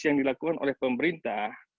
yang dilakukan oleh pemerintah